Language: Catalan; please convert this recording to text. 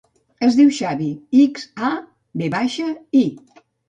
Es diu Xavi: ics, a, ve baixa, i.